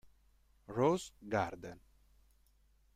Rose Garden